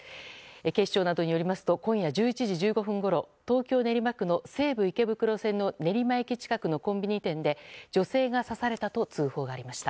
警視庁などによりますと今夜１１時１５分ごろ東京・練馬区の西武池袋線の練馬駅近くのコンビニ店で女性が刺されたと通報がありました。